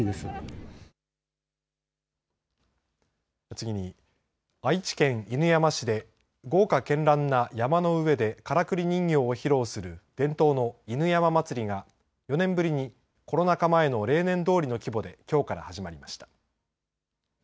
次に、愛知県犬山市で豪華けんらんな車山の上でからくり人形を披露する伝統の犬山祭が４年ぶりにコロナ禍前の例年どおりの規模できょうから始まりました。